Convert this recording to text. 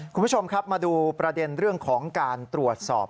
คุณผู้ชมครับมาดูประเด็นเรื่องของการตรวจสอบ